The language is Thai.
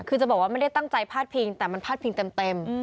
คือจะบอกว่าไม่ได้ตั้งใจพาดพิงแต่มันพาดพิงเต็ม